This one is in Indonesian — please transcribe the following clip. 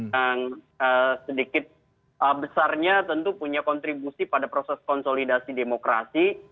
yang sedikit besarnya tentu punya kontribusi pada proses konsolidasi demokrasi